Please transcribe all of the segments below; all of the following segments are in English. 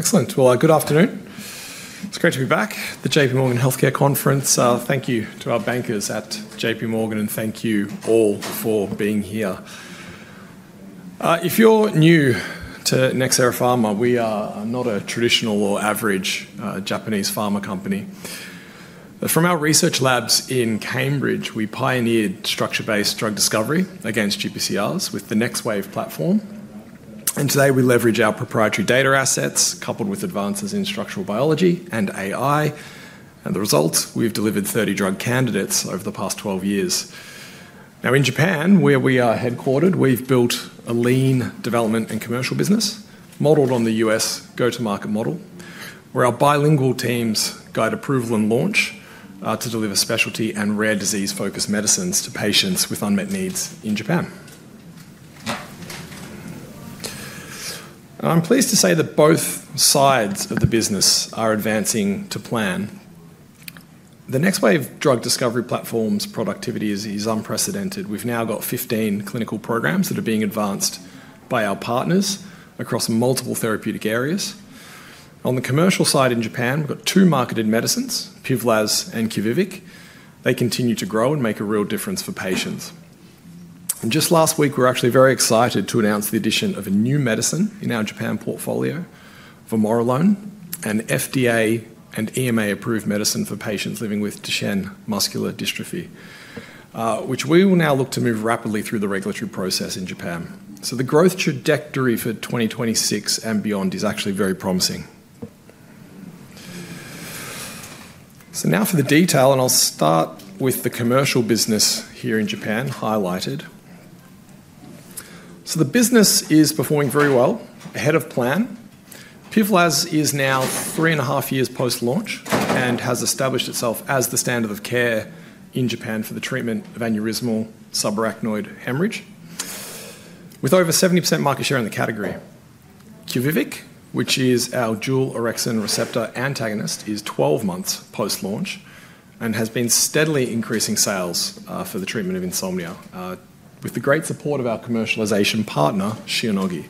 Excellent. Good afternoon. It's great to be back at the JPMorgan Healthcare Conference. Thank you to our bankers at JPMorgan, and thank you all for being here. If you're new to Nxera Pharma, we are not a traditional or average Japanese pharma company. From our research labs in Cambridge, we pioneered structure-based drug discovery against GPCRs with the NxWave platform. And today, we leverage our proprietary data assets, coupled with advances in structural biology and AI. And the results? We've delivered 30 drug candidates over the past 12 years. Now, in Japan, where we are headquartered, we've built a lean development and commercial business modeled on the U.S. go-to-market model, where our bilingual teams guide approval and launch to deliver specialty and rare disease-focused medicines to patients with unmet needs in Japan. I'm pleased to say that both sides of the business are advancing to plan. The NxWave drug discovery platform's productivity is unprecedented. We've now got 15 clinical programs that are being advanced by our partners across multiple therapeutic areas. On the commercial side in Japan, we've got two marketed medicines, PIVLAZ and QUVIVIQ. They continue to grow and make a real difference for patients, and just last week, we were actually very excited to announce the addition of a new medicine in our Japan portfolio, vamorolone, an FDA and EMA-approved medicine for patients living with Duchenne muscular dystrophy, which we will now look to move rapidly through the regulatory process in Japan, so the growth trajectory for 2026 and beyond is actually very promising, so now for the detail, and I'll start with the commercial business here in Japan, highlighted. So the business is performing very well, ahead of plan. PIVLAZ is now three and a half years post-launch and has established itself as the standard of care in Japan for the treatment of aneurysmal subarachnoid hemorrhage, with over 70% market share in the category. QUVIVIQ, which is our dual orexin receptor antagonist, is 12 months post-launch and has been steadily increasing sales for the treatment of insomnia, with the great support of our commercialization partner, Shionogi.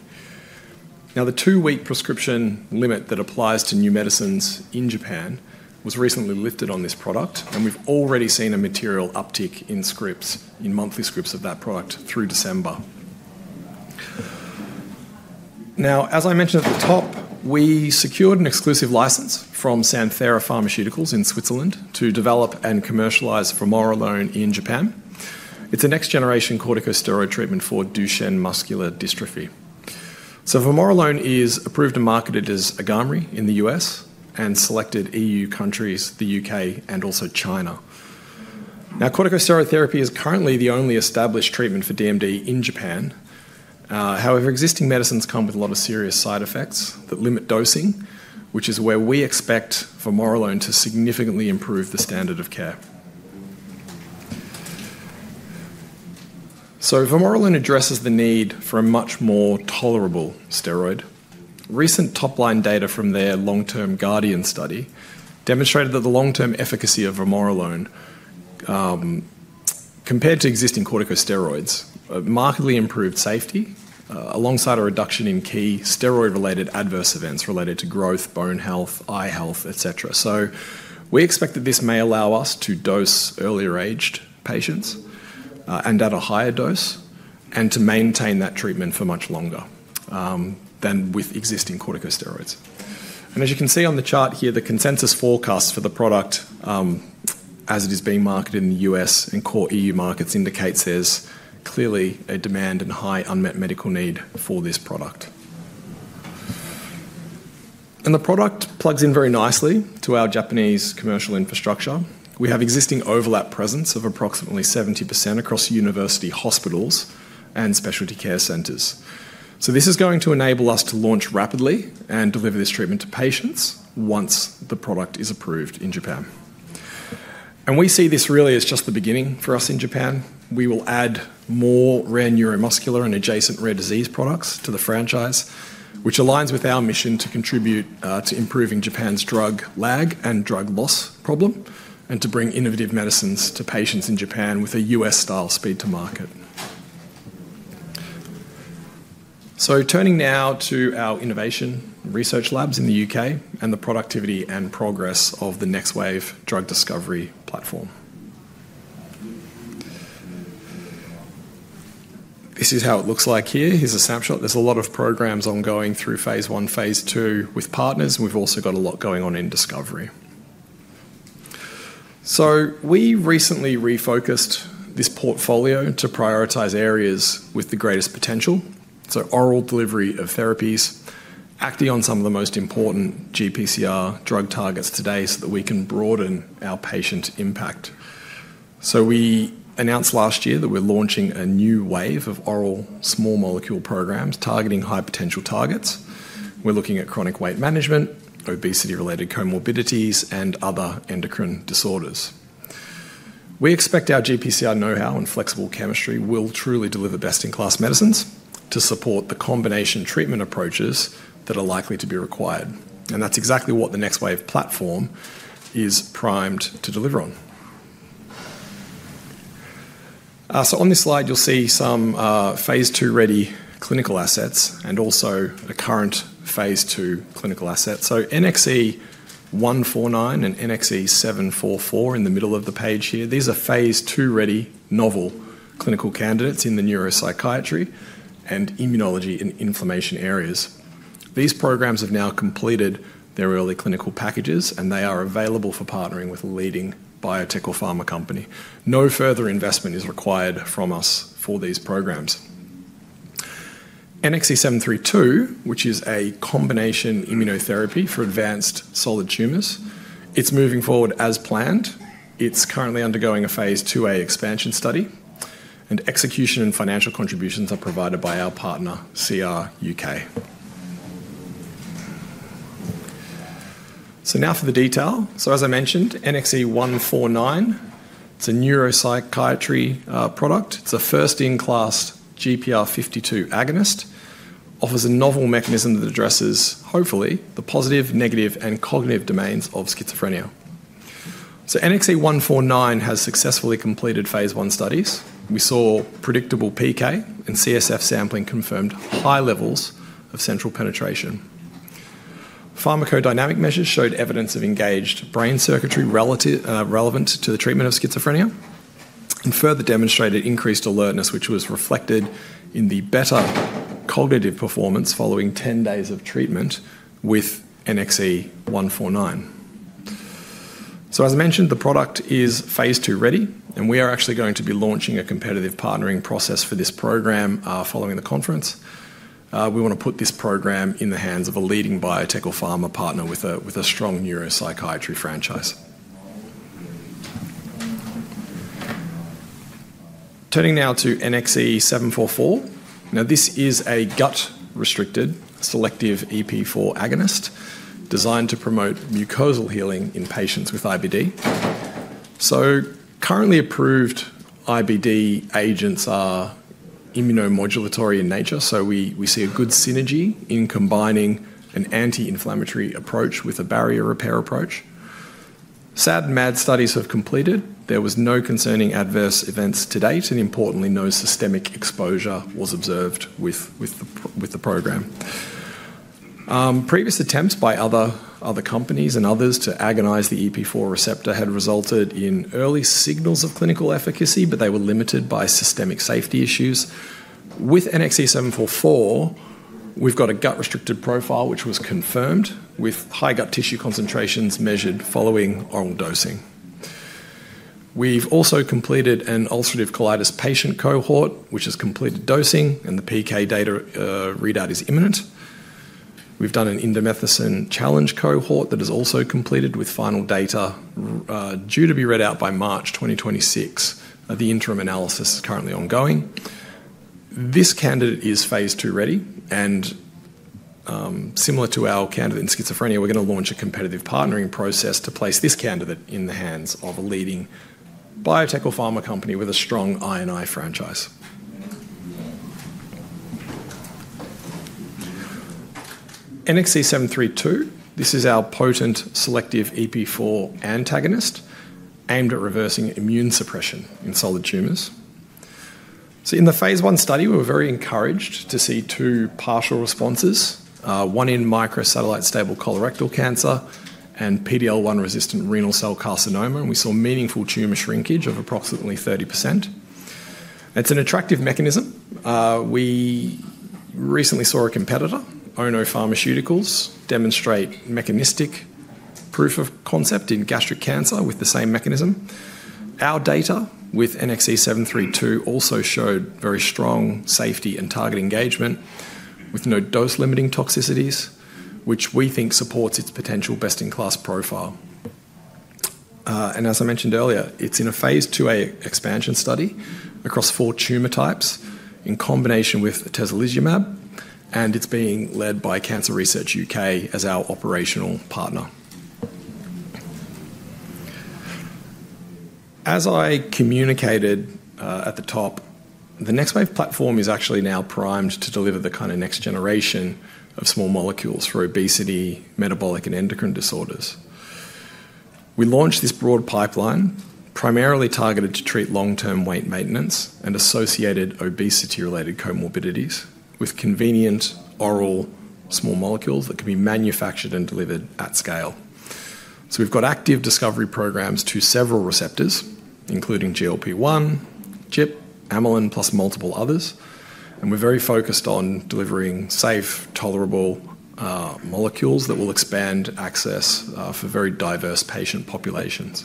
Now, the two-week prescription limit that applies to new medicines in Japan was recently lifted on this product, and we've already seen a material uptick in scripts, in monthly scripts of that product, through December. Now, as I mentioned at the top, we secured an exclusive license from Santhera Pharmaceuticals in Switzerland to develop and commercialize vamorolone in Japan. It's a next-generation corticosteroid treatment for Duchenne muscular dystrophy. So vamorolone is approved and marketed as AGAMREE in the U.S. and selected E.U. countries, the U.K., and also China. Now, corticosteroid therapy is currently the only established treatment for DMD in Japan. However, existing medicines come with a lot of serious side effects that limit dosing, which is where we expect vamorolone to significantly improve the standard of care. So vamorolone addresses the need for a much more tolerable steroid. Recent top-line data from their long-term Guardian study demonstrated that the long-term efficacy of vamorolone, compared to existing corticosteroids, markedly improved safety alongside a reduction in key steroid-related adverse events related to growth, bone health, eye health, etc. So we expect that this may allow us to dose earlier-aged patients and at a higher dose and to maintain that treatment for much longer than with existing corticosteroids. And as you can see on the chart here, the consensus forecast for the product, as it is being marketed in the U.S. and core EU markets indicates there's clearly a demand and high unmet medical need for this product. And the product plugs in very nicely to our Japanese commercial infrastructure. We have existing overlap presence of approximately 70% across university hospitals and specialty care centers. So this is going to enable us to launch rapidly and deliver this treatment to patients once the product is approved in Japan. And we see this really as just the beginning for us in Japan. We will add more rare neuromuscular and adjacent rare disease products to the franchise, which aligns with our mission to contribute to improving Japan's drug lag and drug loss problem and to bring innovative medicines to patients in Japan with a U.S.-style speed to market. So turning now to our innovation research labs in the U.K. and the productivity and progress of the NxWave drug discovery platform. This is how it looks like here. Here's a snapshot. There's a lot of programs ongoing through Phase I, Phase II with partners, and we've also got a lot going on in discovery. So we recently refocused this portfolio to prioritize areas with the greatest potential, so oral delivery of therapies, acting on some of the most important GPCR drug targets today so that we can broaden our patient impact. So we announced last year that we're launching a new wave of oral small molecule programs targeting high-potential targets. We're looking at chronic weight management, obesity-related comorbidities, and other endocrine disorders. We expect our GPCR know-how and flexible chemistry will truly deliver best-in-class medicines to support the combination treatment approaches that are likely to be required. And that's exactly what the NxWave platform is primed to deliver on. On this slide, you'll see some Phase II-ready clinical assets and also a current Phase II clinical asset. NxE149 and NxE744 in the middle of the page here, these are Phase II-ready novel clinical candidates in the neuropsychiatry and immunology and inflammation areas. These programs have now completed their early clinical packages, and they are available for partnering with a leading biotech or pharma company. No further investment is required from us for these programs. NxE732, which is a combination immunotherapy for advanced solid tumors, it's moving forward as planned. It's currently undergoing a Phase IIa expansion study, and execution and financial contributions are provided by our partner, CRUK. Now for the detail. As I mentioned, NxE149, it's a neuropsychiatry product. It's a first-in-class GPR52 agonist, offers a novel mechanism that addresses, hopefully, the positive, negative, and cognitive domains of schizophrenia. NxE149 has successfully completed Phase I studies. We saw predictable PK, and CSF sampling confirmed high levels of central penetration. Pharmacodynamic measures showed evidence of engaged brain circuitry relevant to the treatment of schizophrenia and further demonstrated increased alertness, which was reflected in the better cognitive performance following 10 days of treatment with NxE149. As I mentioned, the product is Phase II-ready, and we are actually going to be launching a competitive partnering process for this program following the conference. We want to put this program in the hands of a leading biotech or pharma partner with a strong neuropsychiatry franchise. Turning now to NxE744. Now, this is a gut-restricted selective EP4 agonist designed to promote mucosal healing in patients with IBD. Currently approved IBD agents are immunomodulatory in nature, so we see a good synergy in combining an anti-inflammatory approach with a barrier repair approach. SAD and MAD studies have completed. There were no concerning adverse events to date, and importantly, no systemic exposure was observed with the program. Previous attempts by other companies and others to agonize the EP4 receptor had resulted in early signals of clinical efficacy, but they were limited by systemic safety issues. With NxE744, we've got a gut-restricted profile, which was confirmed with high gut tissue concentrations measured following oral dosing. We've also completed an ulcerative colitis patient cohort, which has completed dosing, and the PK data readout is imminent. We've done an indomethacin challenge cohort that has also completed with final data due to be read out by March 2026. The interim analysis is currently ongoing. This candidate is Phase II-ready, and similar to our candidate in schizophrenia, we're going to launch a competitive partnering process to place this candidate in the hands of a leading biotech or pharma company with a strong I&I franchise. NxE732, this is our potent selective EP4 antagonist aimed at reversing immune suppression in solid tumors. In the Phase I study, we were very encouraged to see two partial responses, one in microsatellite stable colorectal cancer and PD-L1 resistant renal cell carcinoma, and we saw meaningful tumor shrinkage of approximately 30%. It's an attractive mechanism. We recently saw a competitor, Ono Pharmaceutical, demonstrate mechanistic proof of concept in gastric cancer with the same mechanism. Our data with NxE732 also showed very strong safety and target engagement with no dose-limiting toxicities, which we think supports its potential best-in-class profile. As I mentioned earlier, it's in a Phase IIa expansion study across four tumor types in combination with atezolizumab, and it's being led by Cancer Research U.K. as our operational partner. As I communicated at the top, the NxWave platform is actually now primed to deliver the kind of next generation of small molecules for obesity, metabolic, and endocrine disorders. We launched this broad pipeline primarily targeted to treat long-term weight maintenance and associated obesity-related comorbidities with convenient oral small molecules that can be manufactured and delivered at scale. We've got active discovery programs to several receptors, including GLP-1, GIP, amylin, plus multiple others, and we're very focused on delivering safe, tolerable molecules that will expand access for very diverse patient populations.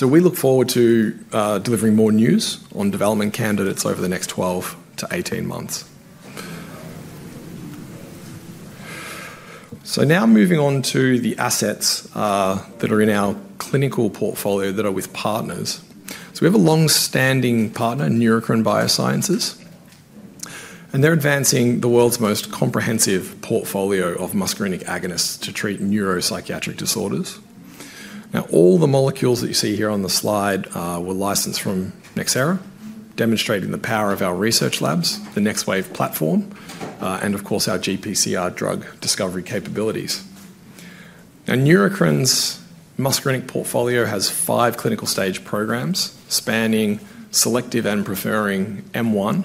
We look forward to delivering more news on development candidates over the next 12-18 months. Now moving on to the assets that are in our clinical portfolio that are with partners. We have a long-standing partner, Neurocrine Biosciences, and they're advancing the world's most comprehensive portfolio of muscarinic agonists to treat neuropsychiatric disorders. Now, all the molecules that you see here on the slide were licensed from Nxera, demonstrating the power of our research labs, the NxWave platform, and of course, our GPCR drug discovery capabilities. Now, Neurocrine’s muscarinic portfolio has five clinical stage programs spanning selective and preferring M1,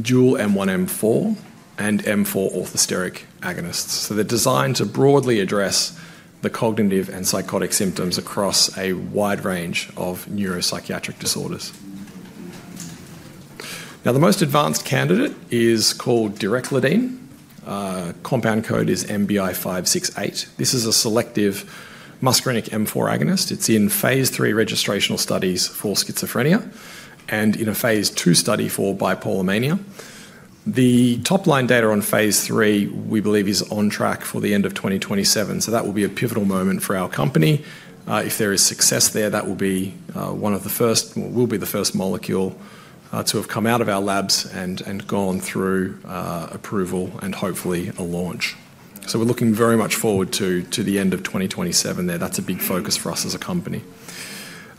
dual M1/M4, and M4 orthosteric agonists. They're designed to broadly address the cognitive and psychotic symptoms across a wide range of neuropsychiatric disorders. Now, the most advanced candidate is called Direct Ladene. Compound code is NBI-111568. This is a selective muscarinic M4 agonist. It's in Phase III registrational studies for schizophrenia and in a Phase II study for bipolar mania. The top-line data on Phase III, we believe, is on track for the end of 2027, so that will be a pivotal moment for our company. If there is success there, that will be one of the first, will be the first molecule to have come out of our labs and gone through approval and hopefully a launch. So we're looking very much forward to the end of 2027 there. That's a big focus for us as a company.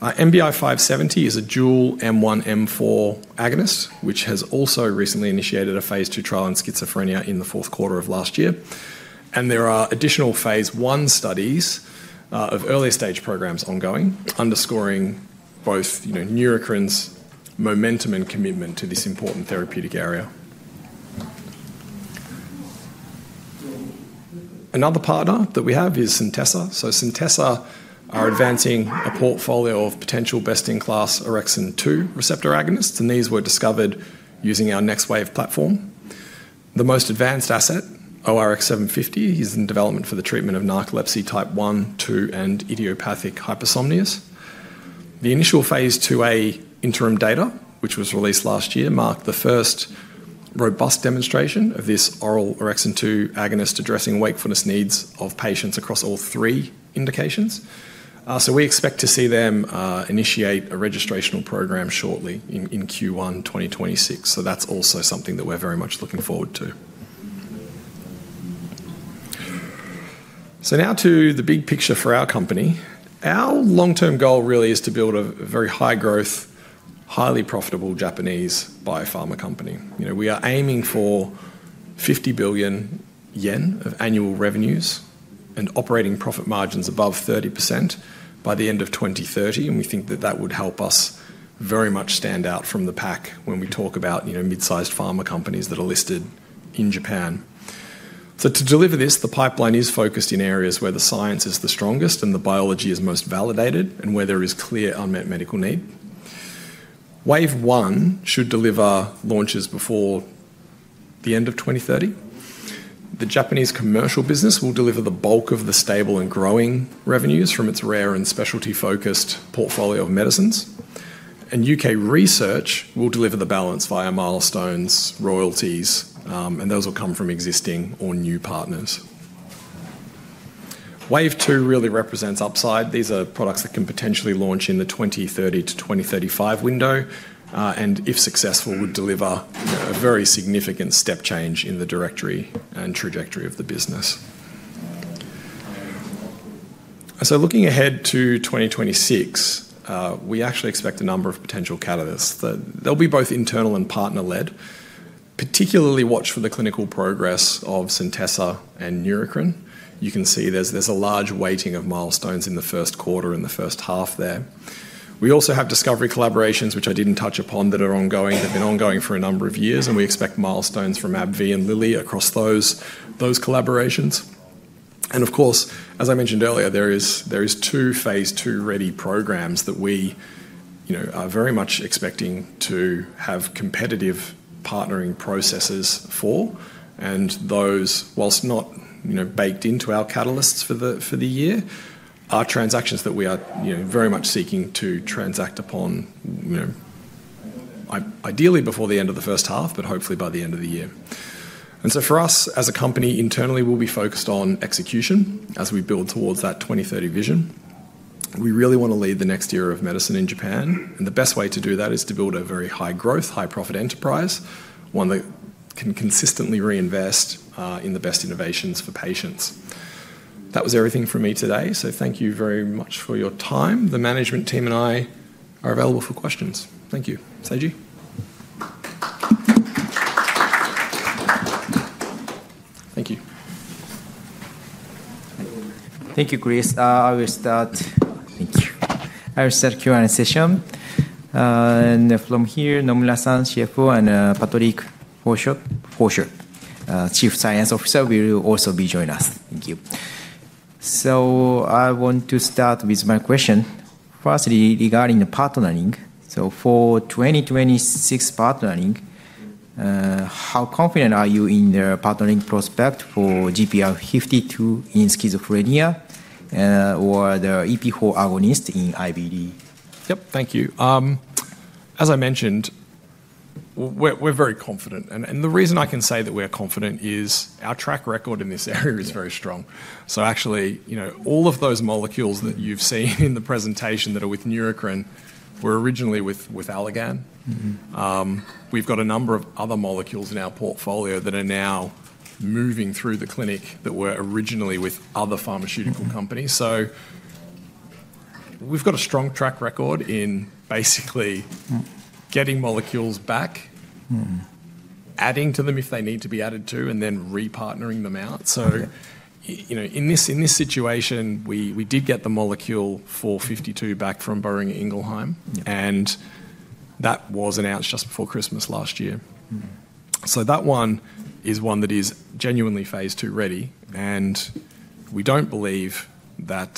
NBI-111570 is a dual M1/M4 agonist, which has also recently initiated a Phase II trial in schizophrenia in the fourth quarter of last year. And there are additional Phase I studies of earlier stage programs ongoing, underscoring both Neurocrine's momentum and commitment to this important therapeutic area. Another partner that we have is Centessa. Centessa are advancing a portfolio of potential best-in-class orexin 2 receptor agonists, and these were discovered using our NxWave platform. The most advanced asset, ORX750, is in development for the treatment of narcolepsy type 1, 2, and idiopathic hypersomnias. The initial Phase IIa interim data, which was released last year, marked the first robust demonstration of this oral orexin 2 agonist addressing wakefulness needs of patients across all three indications. We expect to see them initiate a registrational program shortly in Q1 2026. That's also something that we're very much looking forward to. Now to the big picture for our company. Our long-term goal really is to build a very high-growth, highly profitable Japanese biopharma company. We are aiming for 50 billion yen of annual revenues and operating profit margins above 30% by the end of 2030, and we think that that would help us very much stand out from the pack when we talk about mid-sized pharma companies that are listed in Japan. So to deliver this, the pipeline is focused in areas where the science is the strongest and the biology is most validated and where there is clear unmet medical need. Wave one should deliver launches before the end of 2030. The Japanese commercial business will deliver the bulk of the stable and growing revenues from its rare and specialty-focused portfolio of medicines, and U.K. research will deliver the balance via milestones, royalties, and those will come from existing or new partners. Wave two really represents upside. These are products that can potentially launch in the 2030-2035 window, and if successful, would deliver a very significant step change in the direction and trajectory of the business. So looking ahead to 2026, we actually expect a number of potential candidates. They'll be both internal and partner-led, particularly watch for the clinical progress of Centessa and Neurocrine. You can see there's a large weighting of milestones in the first quarter and the first half there. We also have discovery collaborations, which I didn't touch upon, that are ongoing. They've been ongoing for a number of years, and we expect milestones from AbbVie and Lilly across those collaborations. Of course, as I mentioned earlier, there are two Phase II-ready programs that we are very much expecting to have competitive partnering processes for, and those, while not baked into our catalysts for the year, are transactions that we are very much seeking to transact upon, ideally before the end of the first half, but hopefully by the end of the year. So for us as a company, internally, we'll be focused on execution as we build towards that 2030 vision. We really want to lead the next era of medicine in Japan, and the best way to do that is to build a very high-growth, high-profit enterprise, one that can consistently reinvest in the best innovations for patients. That was everything for me today, so thank you very much for your time. The management team and I are available for questions. Thank you. Seiji? Thank you, Chris. I will start Q&A session. And from here, Nomura-san, CFO, and Patrick Fosher, Chief Science Officer, will also be joining us. Thank you. So I want to start with my question. Firstly, regarding the partnering, so for 2026 partnering, how confident are you in the partnering prospect for GPR52 in schizophrenia or the EP4 agonist in IBD? Yep, thank you. As I mentioned, we're very confident, and the reason I can say that we're confident is our track record in this area is very strong. So actually, all of those molecules that you've seen in the presentation that are with Neurocrine were originally with Allergan. We've got a number of other molecules in our portfolio that are now moving through the clinic that were originally with other pharmaceutical companies. We’ve got a strong track record in basically getting molecules back, adding to them if they need to be added to, and then repartnering them out. In this situation, we did get the molecule for 52 back from Boehringer Ingelheim, and that was announced just before Christmas last year. That one is one that is genuinely Phase II-ready, and we don’t believe that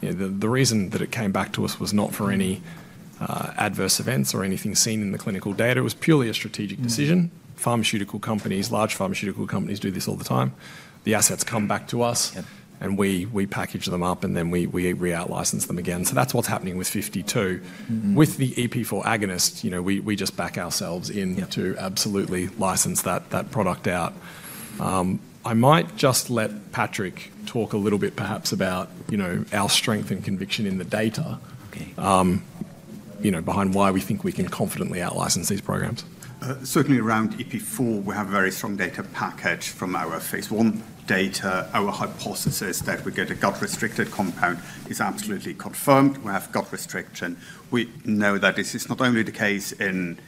the reason that it came back to us was not for any adverse events or anything seen in the clinical data. It was purely a strategic decision. Pharmaceutical companies, large pharmaceutical companies do this all the time. The assets come back to us, and we package them up, and then we out-license them again. That’s what’s happening with 52. With the EP4 agonist, we just back ourselves in to absolutely license that product out. I might just let Patrick talk a little bit perhaps about our strength and conviction in the data behind why we think we can confidently out-license these programs. Certainly around EP4, we have a very strong data package from our Phase I data. Our hypothesis that we get a gut-restricted compound is absolutely confirmed. We have gut restriction. We know that this is not only the case in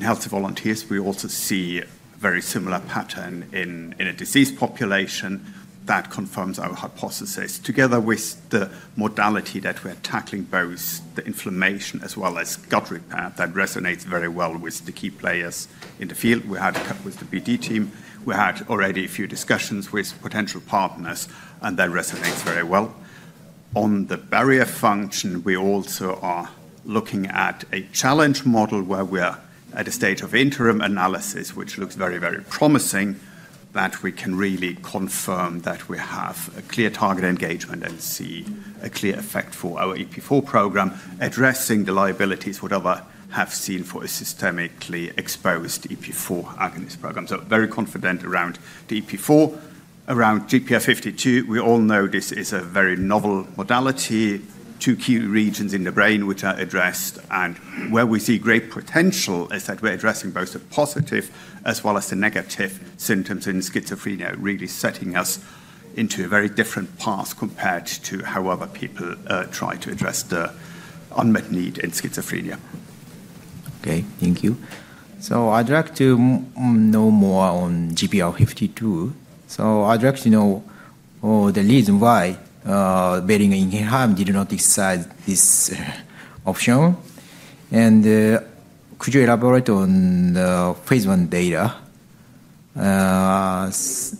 healthy volunteers. We also see a very similar pattern in a diseased population that confirms our hypothesis. Together with the modality that we're tackling, both the inflammation as well as gut repair, that resonates very well with the key players in the field. We had a chat with the BD team. We had already a few discussions with potential partners, and that resonates very well. On the barrier function, we also are looking at a challenge model where we're at a state of interim analysis, which looks very, very promising, that we can really confirm that we have a clear target engagement and see a clear effect for our EP4 program, addressing the liabilities we have seen for a systemically exposed EP4 agonist program. So very confident around the EP4. Around GPR52, we all know this is a very novel modality. Two key regions in the brain which are addressed, and where we see great potential is that we're addressing both the positive as well as the negative symptoms in schizophrenia, really setting us into a very different path compared to how other people try to address the unmet need in schizophrenia. Okay, thank you. So I'd like to know more on GPR52. So I'd like to know the reason why Boehringer Ingelheim did not decide this option. And could you elaborate on the Phase I data?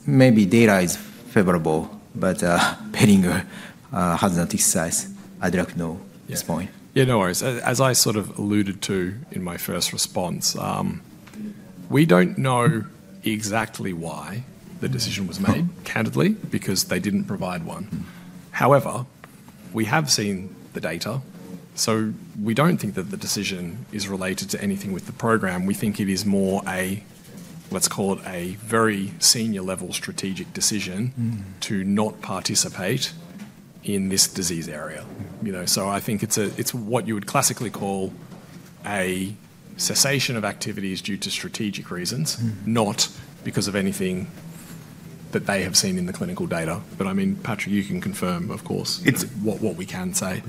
Maybe data is favorable, but Boehringer has not decided. I'd like to know at this point. Yeah, no worries. As I sort of alluded to in my first response, we don't know exactly why the decision was made, candidly, because they didn't provide one. However, we have seen the data, so we don't think that the decision is related to anything with the program. We think it is more a, let's call it a very senior-level strategic decision to not participate in this disease area. So I think it's what you would classically call a cessation of activities due to strategic reasons, not because of anything that they have seen in the clinical data. But I mean, Patrick, you can confirm, of course, what we can say.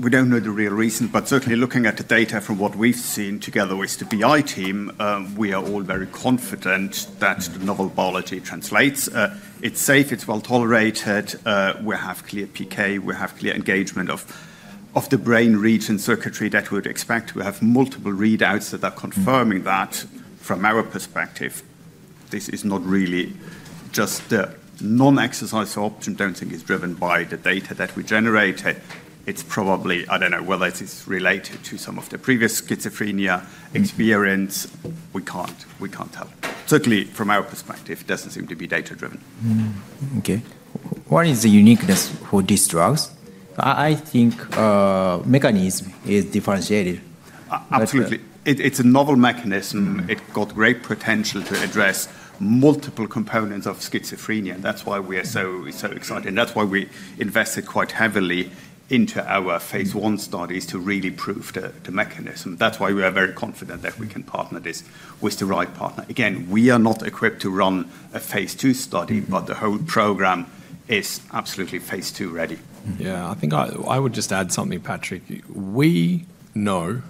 We don't know the real reason, but certainly looking at the data from what we've seen together with the BI team, we are all very confident that the novel biology translates. It's safe. It's well tolerated. We have clear PK. We have clear engagement of the brain region circuitry that we would expect. We have multiple readouts that are confirming that. From our perspective, this is not really just the non-exercise option. I don't think it's driven by the data that we generated. It's probably, I don't know whether this is related to some of the previous schizophrenia experience. We can't tell. Certainly, from our perspective, it doesn't seem to be data-driven. Okay. What is the uniqueness for these drugs? I think the mechanism is differentiated. Absolutely. It's a novel mechanism. It got great potential to address multiple components of schizophrenia, and that's why we are so excited, and that's why we invested quite heavily into our Phase I studies to really prove the mechanism. That's why we are very confident that we can partner this with the right partner. Again, we are not equipped to run a Phase II study, but the whole program is absolutely Phase II-ready. Yeah, I think I would just add something, Patrick. We know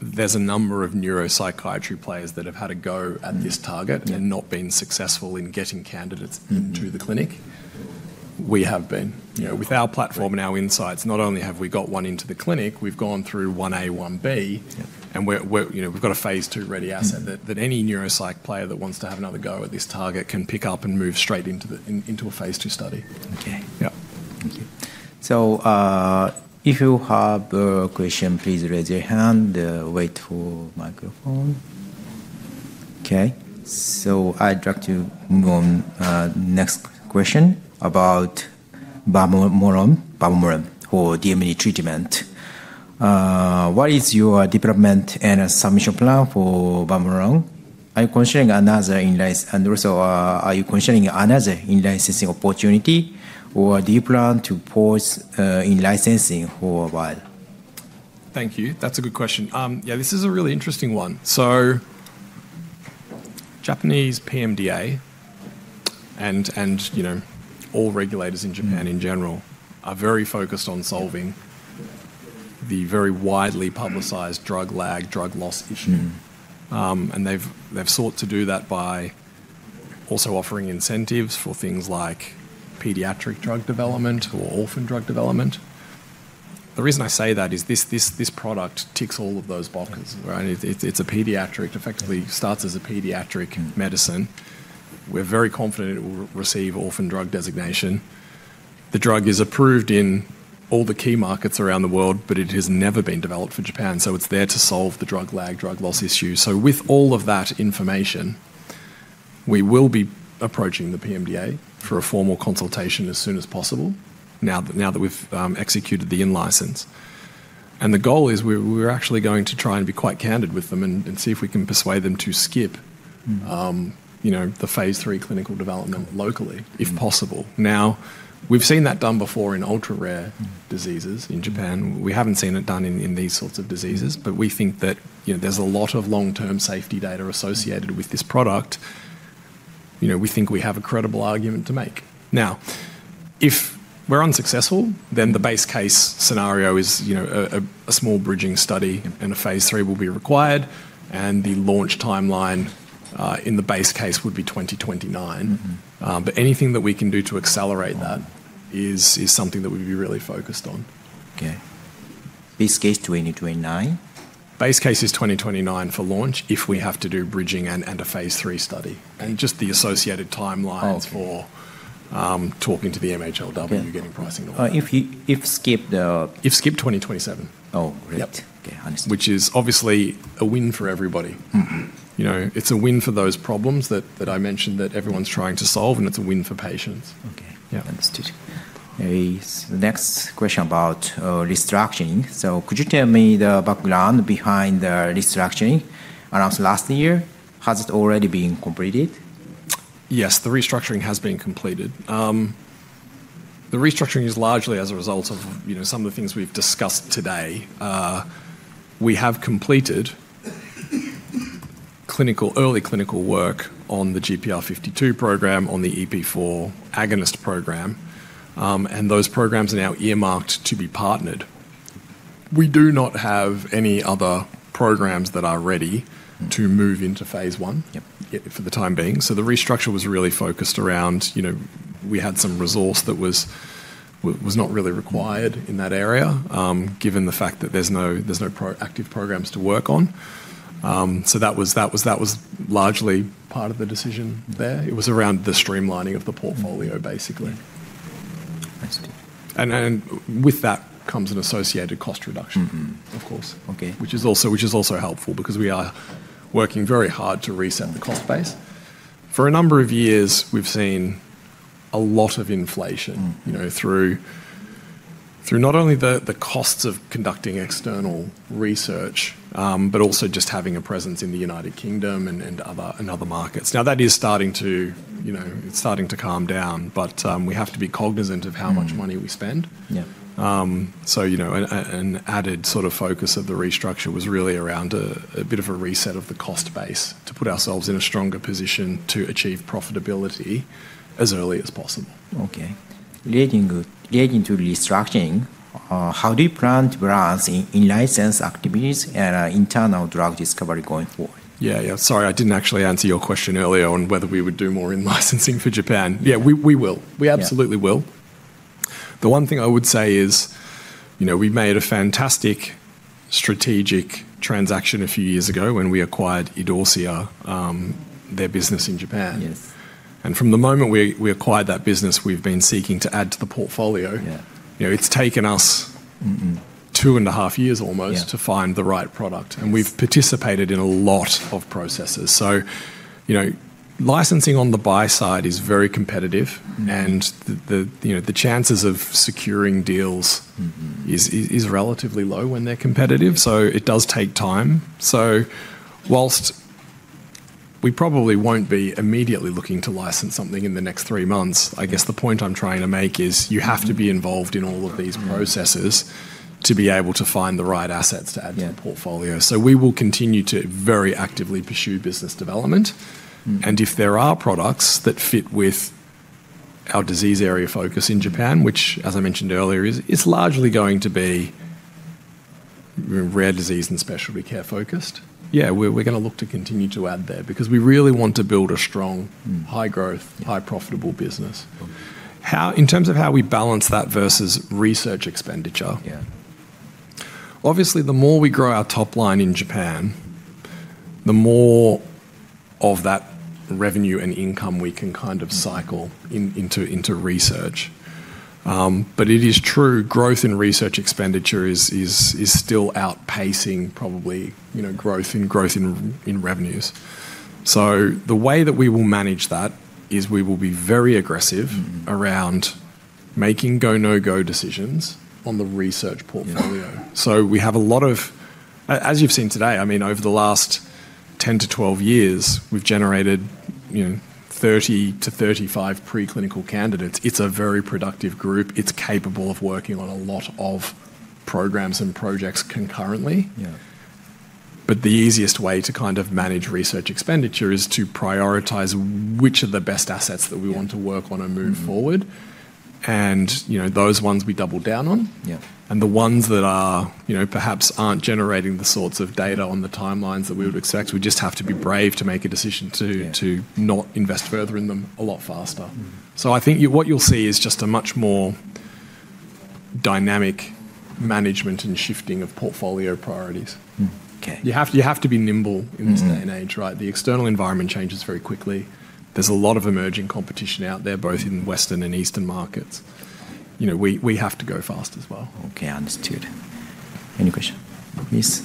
there's a number of neuropsychiatry players that have had a go at this target and not been successful in getting candidates into the clinic. We have been. With our platform and our insights, not only have we got one into the clinic, we've gone through Ia, Ib, and we've got a Phase II-ready asset that any neuropsych player that wants to have another go at this target can pick up and move straight into a Phase II study. Okay. Yeah. Thank you. So if you have a question, please raise your hand. Wait for microphone. Okay. So I'd like to move on to the next question about vamorolone for DMD treatment. What is your development and submission plan for vamorolone? Are you considering another in-licensing opportunity, or do you plan to pause in-licensing for a while? Thank you. That's a good question. Yeah, this is a really interesting one. So Japanese PMDA and all regulators in Japan in general are very focused on solving the very widely publicized drug lag, drug loss issue. They've sought to do that by also offering incentives for things like pediatric drug development or orphan drug development. The reason I say that is this product ticks all of those boxes. It effectively starts as a pediatric medicine. We're very confident it will receive orphan drug designation. The drug is approved in all the key markets around the world, but it has never been developed for Japan. It's there to solve the drug lag, drug loss issue. With all of that information, we will be approaching the PMDA for a formal consultation as soon as possible now that we've executed the in-license. The goal is we're actually going to try and be quite candid with them and see if we can persuade them to skip the phase III clinical development locally, if possible. We've seen that done before in ultra-rare diseases in Japan. We haven't seen it done in these sorts of diseases, but we think that there's a lot of long-term safety data associated with this product. We think we have a credible argument to make. Now, if we're unsuccessful, then the base case scenario is a small bridging study and a phase III will be required, and the launch timeline in the base case would be 2029. But anything that we can do to accelerate that is something that we'd be really focused on. Okay. Base case 2029? Base case is 2029 for launch if we have to do bridging and a phase III study. And just the associated timelines for talking to the MHLW, getting pricing on that. If skip the? If skip 2027. Oh, great. Okay. Understood. Which is obviously a win for everybody. It's a win for those problems that I mentioned that everyone's trying to solve, and it's a win for patients. Okay. Yeah. Understood. The next question about restructuring. So could you tell me the background behind the restructuring around last year? Has it already been completed? Yes, the restructuring has been completed. The restructuring is largely as a result of some of the things we've discussed today. We have completed early clinical work on the GPR52 program, on the EP4 agonist program, and those programs are now earmarked to be partnered. We do not have any other programs that are ready to move into phase I for the time being. So the restructure was really focused around we had some resource that was not really required in that area, given the fact that there's no active programs to work on. So that was largely part of the decision there. It was around the streamlining of the portfolio, basically. And with that comes an associated cost reduction, of course, which is also helpful because we are working very hard to reset the cost base. For a number of years, we've seen a lot of inflation through not only the costs of conducting external research, but also just having a presence in the United Kingdom and other markets. Now, that is starting to calm down, but we have to be cognizant of how much money we spend. So an added sort of focus of the restructure was really around a bit of a reset of the cost base to put ourselves in a stronger position to achieve profitability as early as possible. Okay. Relating to restructuring, how do you plan to balance in-license activities and internal drug discovery going forward? Yeah, yeah. Sorry, I didn't actually answer your question earlier on whether we would do more in-licensing for Japan. Yeah, we will. We absolutely will. The one thing I would say is we made a fantastic strategic transaction a few years ago when we acquired Idorsia, their business in Japan, and from the moment we acquired that business, we've been seeking to add to the portfolio. It's taken us 2.5 years almost to find the right product, and we've participated in a lot of processes. So licensing on the buy side is very competitive, and the chances of securing deals is relatively low when they're competitive, so it does take time. While we probably won't be immediately looking to license something in the next three months, I guess the point I'm trying to make is you have to be involved in all of these processes to be able to find the right assets to add to the portfolio. We will continue to very actively pursue business development. If there are products that fit with our disease area focus in Japan, which, as I mentioned earlier, is largely going to be rare disease and specialty care focused, yeah, we're going to look to continue to add there because we really want to build a strong, high-growth, high-profitable business. In terms of how we balance that versus research expenditure, obviously, the more we grow our top line in Japan, the more of that revenue and income we can kind of cycle into research. But it is true, growth in research expenditure is still outpacing probably growth in revenues. So the way that we will manage that is we will be very aggressive around making go-no-go decisions on the research portfolio. So we have a lot of, as you've seen today, I mean, over the last 10-12 years, we've generated 30-35 preclinical candidates. It's a very productive group. It's capable of working on a lot of programs and projects concurrently. But the easiest way to kind of manage research expenditure is to prioritize which are the best assets that we want to work on and move forward. And those ones we double down on. The ones that perhaps aren't generating the sorts of data on the timelines that we would expect, we just have to be brave to make a decision to not invest further in them a lot faster. So I think what you'll see is just a much more dynamic management and shifting of portfolio priorities. You have to be nimble in this day and age, right? The external environment changes very quickly. There's a lot of emerging competition out there, both in Western and Eastern markets. We have to go fast as well. Okay, understood. Any question? Miss?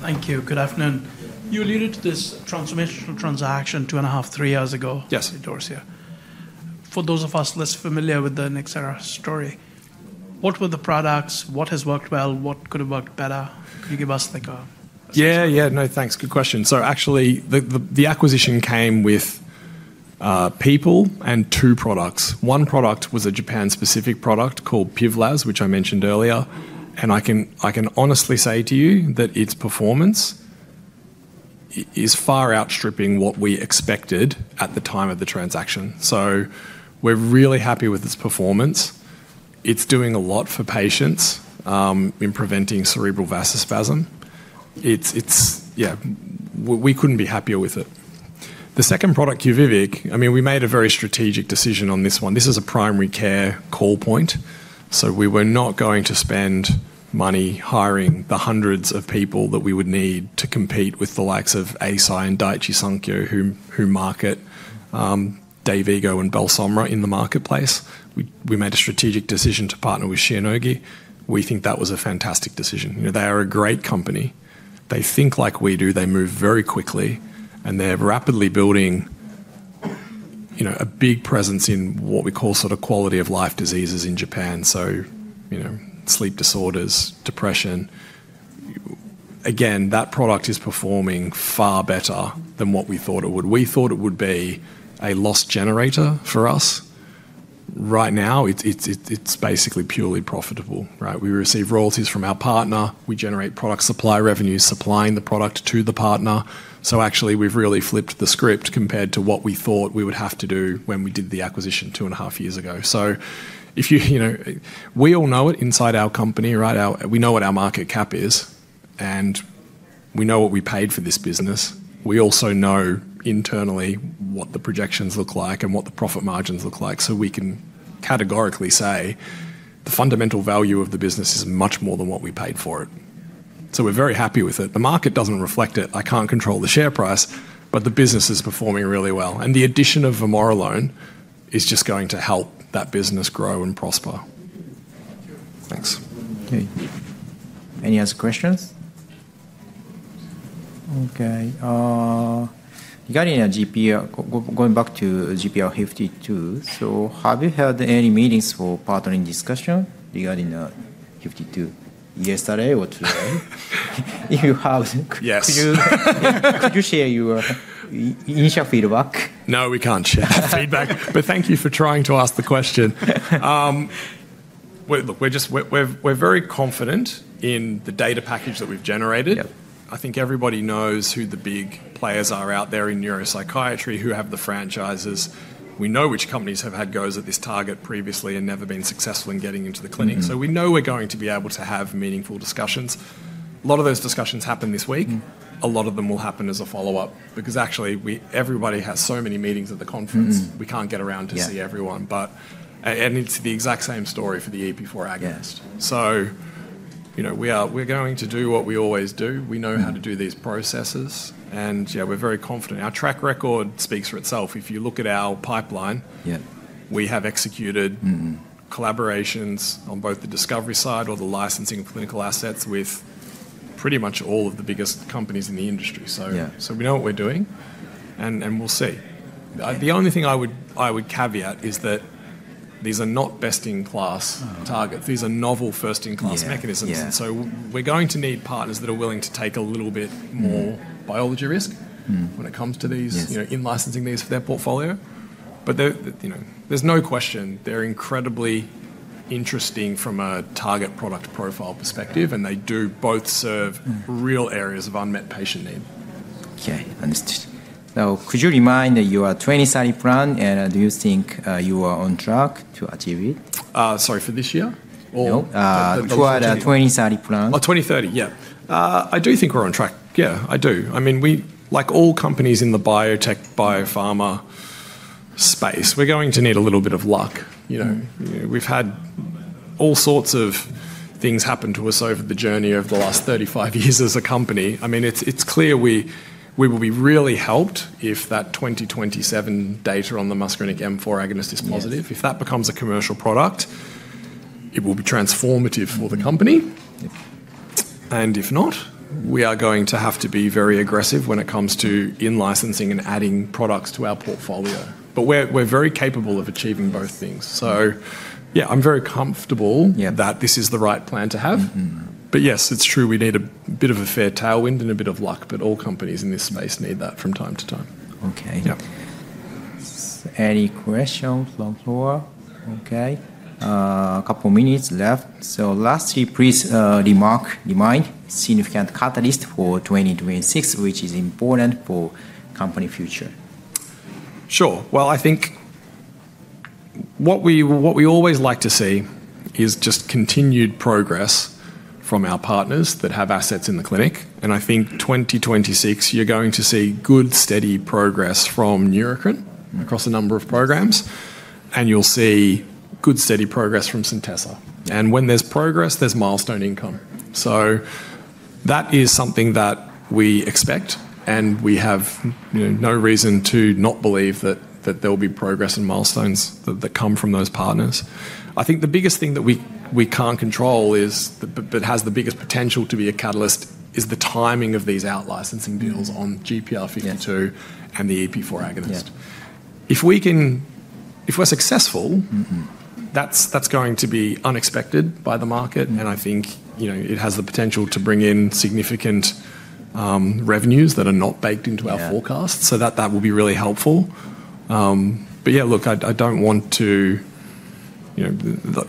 Thank you. Good afternoon. You alluded to this transformational transaction 2.5-3 years ago at Idorsia. For those of us less familiar with the Nxera story, what were the products? What has worked well? What could have worked better? Could you give us a? Yeah, yeah. No, thanks. Good question. So actually, the acquisition came with people and two products. One product was a Japan-specific product called PIVLAZ, which I mentioned earlier. And I can honestly say to you that its performance is far outstripping what we expected at the time of the transaction. So we're really happy with its performance. It's doing a lot for patients in preventing cerebral vasospasm. Yeah, we couldn't be happier with it. The second product, QUVIVIQ, I mean, we made a very strategic decision on this one. This is a primary care call point. So we were not going to spend money hiring the hundreds of people that we would need to compete with the likes of Eisai and Daiichi Sankyo, who market Dayvigo and Belsomra in the marketplace. We made a strategic decision to partner with Shionogi. We think that was a fantastic decision. They are a great company. They think like we do. They move very quickly, and they're rapidly building a big presence in what we call sort of quality of life diseases in Japan. So sleep disorders, depression. Again, that product is performing far better than what we thought it would. We thought it would be a loss generator for us. Right now, it's basically purely profitable, right? We receive royalties from our partner. We generate product supply revenues supplying the product to the partner. So actually, we've really flipped the script compared to what we thought we would have to do when we did the acquisition two and a half years ago. So we all know it inside our company, right? We know what our market cap is, and we know what we paid for this business. We also know internally what the projections look like and what the profit margins look like. We can categorically say the fundamental value of the business is much more than what we paid for it. We're very happy with it. The market doesn't reflect it. I can't control the share price, but the business is performing really well. The addition of vamorolone is just going to help that business grow and prosper. Thanks. Okay. Any other questions? Okay. Regarding GPR, going back to GPR52, have you had any meetings for partnering discussion regarding 52 yesterday or today? If you have, could you share your initial feedback? No, we can't share feedback. But thank you for trying to ask the question. We're very confident in the data package that we've generated. I think everybody knows who the big players are out there in neuropsychiatry, who have the franchises. We know which companies have had goes at this target previously and never been successful in getting into the clinic. So we know we're going to be able to have meaningful discussions. A lot of those discussions happen this week. A lot of them will happen as a follow-up because actually, everybody has so many meetings at the conference. We can't get around to see everyone. And it's the exact same story for the EP4 agonist. So we're going to do what we always do. We know how to do these processes. And yeah, we're very confident. Our track record speaks for itself. If you look at our pipeline, we have executed collaborations on both the discovery side or the licensing of clinical assets with pretty much all of the biggest companies in the industry. So we know what we're doing, and we'll see. The only thing I would caveat is that these are not best-in-class targets. These are novel first-in-class mechanisms. And so we're going to need partners that are willing to take a little bit more biology risk when it comes to in-licensing these for their portfolio. But there's no question they're incredibly interesting from a target product profile perspective, and they do both serve real areas of unmet patient need. Okay. Understood. Now, could you remind that you are 2030 plan, and do you think you are on track to achieve it? Sorry, for this year? No. Toward 2030 plan. Oh, 2030, yeah. I do think we're on track. Yeah, I do. I mean, like all companies in the biotech, biopharma space, we're going to need a little bit of luck. We've had all sorts of things happen to us over the journey of the last 35 years as a company. I mean, it's clear we will be really helped if that 2027 data on the muscarinic M4 agonist is positive. If that becomes a commercial product, it will be transformative for the company. And if not, we are going to have to be very aggressive when it comes to in-licensing and adding products to our portfolio. But we're very capable of achieving both things. So yeah, I'm very comfortable that this is the right plan to have. But yes, it's true we need a bit of a fair tailwind and a bit of luck, but all companies in this space need that from time to time. Okay. Any questions from floor? Okay. A couple of minutes left. So lastly, please remark the main significant catalyst for 2026, which is important for company future. Sure. I think what we always like to see is just continued progress from our partners that have assets in the clinic. And I think 2026, you're going to see good steady progress from Neurocrine across a number of programs, and you'll see good steady progress from Centessa. And when there's progress, there's milestone income. So that is something that we expect, and we have no reason to not believe that there will be progress and milestones that come from those partners. I think the biggest thing that we can't control that has the biggest potential to be a catalyst is the timing of these out-licensing deals on GPR52 and the EP4 agonist. If we're successful, that's going to be unexpected by the market, and I think it has the potential to bring in significant revenues that are not baked into our forecast. So that will be really helpful. But yeah, look, I don't want to.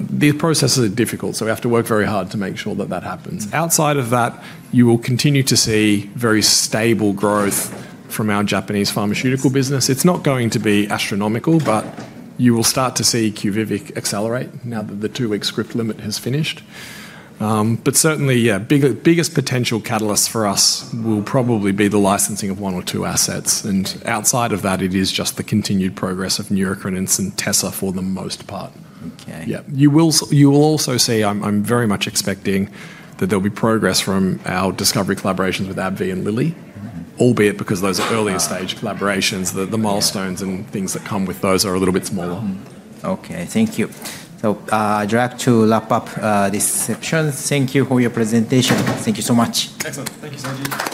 These processes are difficult, so we have to work very hard to make sure that that happens. Outside of that, you will continue to see very stable growth from our Japanese pharmaceutical business. It's not going to be astronomical, but you will start to see QUVIVIQ accelerate now that the two-week script limit has finished. But certainly, yeah, biggest potential catalyst for us will probably be the licensing of one or two assets. And outside of that, it is just the continued progress of Neurocrine and Centessa for the most part. You will also see, I'm very much expecting that there'll be progress from our discovery collaborations with AbbVie and Lilly, albeit because those are earlier stage collaborations, the milestones and things that come with those are a little bit smaller. Okay. Thank you. I'd like to wrap up this session. Thank you for your presentation. Thank you so much. Excellent. Thank you, Seiji.